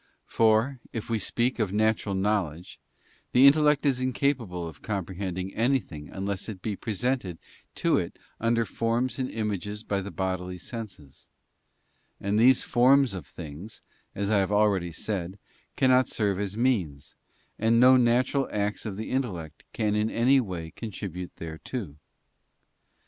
For if we speak of natural knowledge; the intellect is incapable of comprehending anything unless it be presented to it under forms and images by the bodily senses; and these forms of things, as I have already said, cannot serve as means, and no natural acts of the intellect can in any way contribute thereto.